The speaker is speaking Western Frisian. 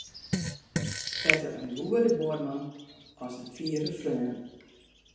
Better in goede buorman as in fiere freon.